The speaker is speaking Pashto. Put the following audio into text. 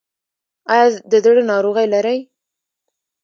ایا د زړه ناروغي لرئ؟